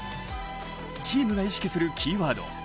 チームが意識するキーワード